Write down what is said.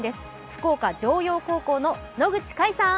福岡常葉高校の野口海さん！